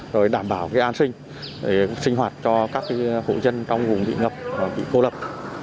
rồi đảm bảo an sinh sinh hoạt cho các hộ dân trong vùng bị ngập bị cô lập